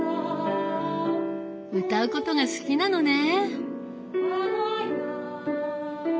歌うことが好きなのね。